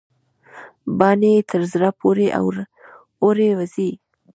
باڼه يې تر زړه پورې اورې وزي.